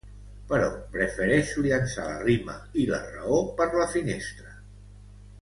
Però prefereixo llençar la rima i la raó per la finestra.